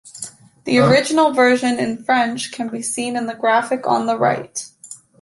The original version, in French, can be seen in the graphic on the right.